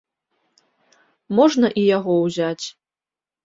Можна і яго ўзяць.